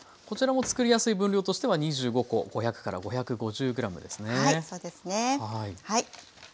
こちらもつくりやすい分量としては２５コ５００５５０ｇですね。